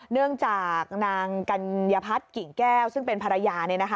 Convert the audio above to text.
เนื่องจากนางกัญญพัฒน์กิ่งแก้วซึ่งเป็นภรรยา